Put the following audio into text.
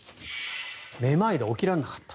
めまいで起きられなかった。